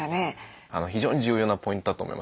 非常に重要なポイントだと思います。